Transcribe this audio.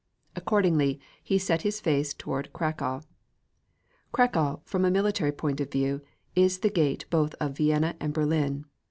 Accordingly, he set his face toward Cracow. Cracow, from a military point of view, is the gate both of Vienna and Berlin.